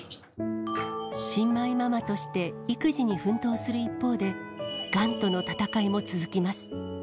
新米ママとして育児に奮闘する一方で、がんとの闘いも続きます。